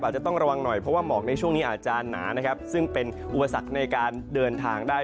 อาจจะต้องระวังหน่อยเพราะว่าหมอกในช่วงนี้อาจจะหนานะครับซึ่งเป็นอุปสรรคในการเดินทางได้